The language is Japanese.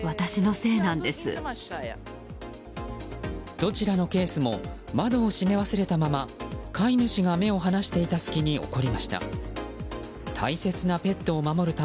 どちらのケースも窓を閉め忘れたまま飼い主が目を離していた隙に起こりました。